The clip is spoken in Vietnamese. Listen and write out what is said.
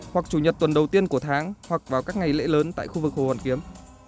hoặc chủ nhật tuần đầu tiên của tháng hoặc vào các ngày lễ lớn tại khu vực hồ hoàn kiếm